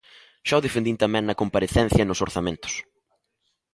Xa o defendín tamén na comparecencia nos orzamentos.